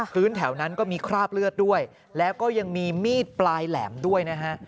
แถวนั้นก็มีคราบเลือดด้วยแล้วก็ยังมีมีดปลายแหลมด้วยนะฮะ